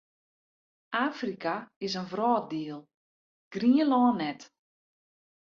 Afrika is in wrâlddiel, Grienlân net.